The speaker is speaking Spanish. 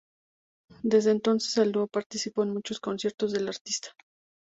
Desde entonces el dúo participó en muchos conciertos de la artista.